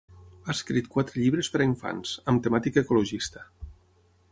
Ha escrit quatre llibres per a infants, amb temàtica ecologista.